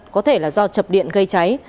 có thể là do chập điện gây cháy